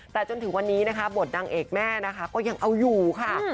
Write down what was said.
แต่จนถึงวันนี้นะคะบทนางเอกแม่นะคะก็ยังเอาอยู่ค่ะ